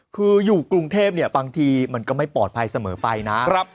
คืออยู่กรุงเทพบางทีมันก็ไม่ปลอดภัยเสมอไปนะ